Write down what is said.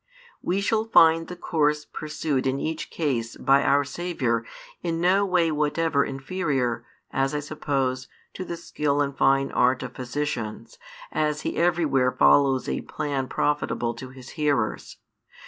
We shall find the course pursued in each case by our Saviour in no way whatever inferior, as I suppose, to the skill and fine art of physicians, as He everywhere follows a plan profitable to His hearers.